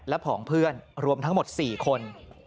และผองเพื่อนรวมทั้งหมด๔คน